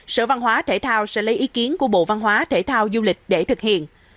sở văn hóa thể thao sẽ lấy ý kiến của bộ văn hóa thể thao du lịch để thực hiện